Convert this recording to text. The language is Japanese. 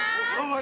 あ！